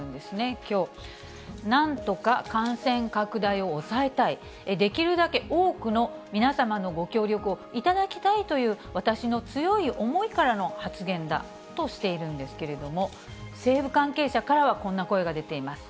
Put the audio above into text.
きょう、なんとか感染拡大を抑えたい、できるだけ多くの皆様のご協力をいただきたいという私の強い思いからの発言だとしているんですけれども、政府関係者からは、こんな声が出ています。